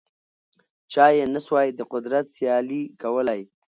چا یې نه سوای د قدرت سیالي کولای